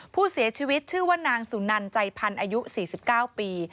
ผู้เสียชีวิตชื่อว่านางสุนันใจพันธ์อายุ๔๙ปี